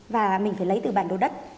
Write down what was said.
và mình phải lấy từ bản đồ đất